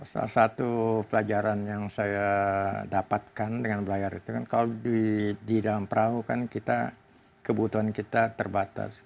salah satu pelajaran yang saya dapatkan dengan belajar itu kan kalau di dalam perahu kan kita kebutuhan kita terbatas